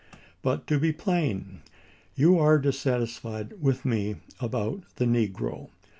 But, to be plain, you are dissatisfied with me about the negro.